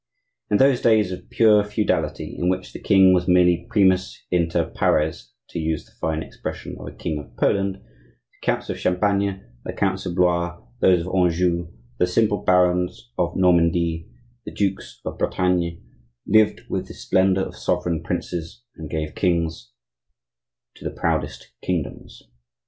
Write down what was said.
In those days of pure fuedality, in which the king was merely primus inter pares (to use the fine expression of a king of Poland), the counts of Champagne, the counts of Blois, those of Anjou, the simple barons of Normandie, the dukes of Bretagne, lived with the splendor of sovereign princes and gave kings to the proudest kingdoms.